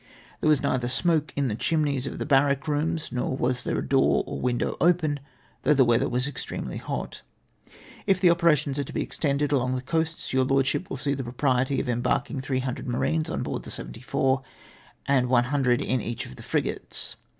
There was neither smoke in the chimneys of the barrack rooms, nor was there a door or window open, though the weather was extremely hot. "If the operations are to be extended along the coasts, your Lordship will see the propriety of embarking 300 marines on board the seventy four, and 100 in each of the frigates.